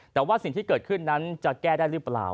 แต่ว่าสิ่งที่เกิดขึ้นนั้นจะแก้ได้หรือเปล่า